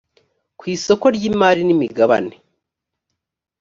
ku isoko ry’ imari n’ imigabane